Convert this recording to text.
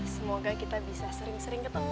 semoga kita bisa sering sering ketemu